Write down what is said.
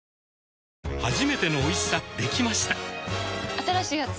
新しいやつ？